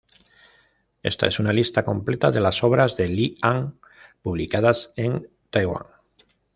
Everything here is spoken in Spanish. Esta es una lista completa de las obras de Li Ang publicadas en Taiwán.